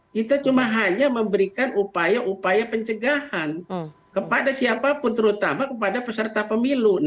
kita cuma hanya memberikan upaya upaya pencegahan kepada siapapun terutama kepada peserta pemilu